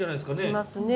いますね。